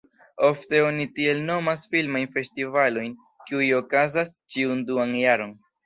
Ofte oni tiel nomas filmajn festivalojn, kiuj okazas ĉiun duan jaron.